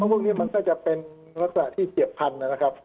เพราะพวกนี้มันซ่าจะเป้นลักษณะที่เกียรติพันธุ์นะครับ